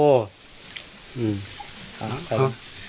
ข้าพเจ้านางสาวสุภัณฑ์หลาโภ